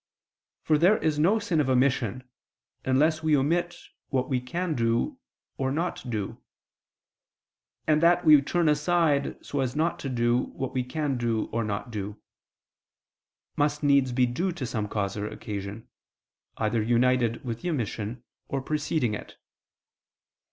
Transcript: For there is no sin of omission, unless we omit what we can do or not do: and that we turn aside so as not to do what we can do or not do, must needs be due to some cause or occasion, either united with the omission or preceding it.